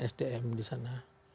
sdm di sana